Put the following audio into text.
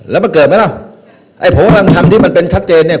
แล้วมันเกิดไหมล่ะไอ้ผมกำลังทำที่มันเป็นชัดเจนเนี่ย